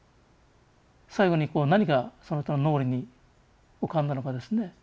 最後に何がその人の脳裏に浮かんだのかですね。